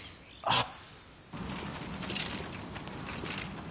あっ。